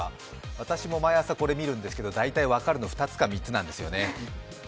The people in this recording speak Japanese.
私も毎朝、これ見るんですけど、大体分かるの２つか３つなんですよね。